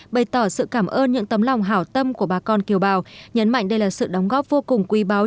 bày tỏ sự cảm ơn những tấm lòng hảo tâm của bà con kiều bào nhấn mạnh đây là sự đóng góp vô cùng quý báo